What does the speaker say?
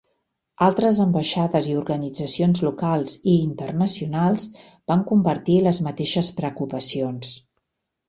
Altres ambaixades i organitzacions locals i internacionals van compartir les mateixes preocupacions.